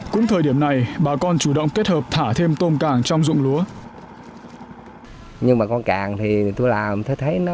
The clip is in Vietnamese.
cũng thời điểm này bà con chủ động kết hợp thả thêm tôm càng trong dụng lúa